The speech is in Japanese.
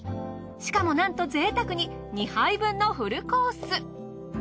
しかもなんと贅沢に２杯分のフルコース。